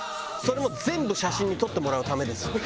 それも全部写真に撮ってもらうためです。